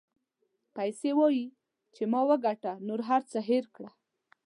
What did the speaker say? پیسې وایي چې ما وګټه نور هر څه هېر کړه.